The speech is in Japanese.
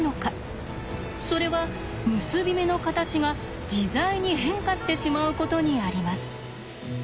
それは結び目の形が自在に変化してしまうことにあります。